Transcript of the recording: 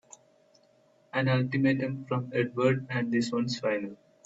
An ultimatum from Edward and this one's final!